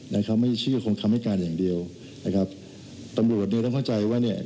นะครับไม่เชื่อคงคำให้การอย่างเดียวนะครับตำรวจเนี้ยต้องเข้าใจว่าเนี่ย